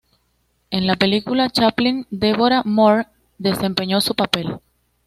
En la película "Chaplin", Deborah Moore desempeñó su papel.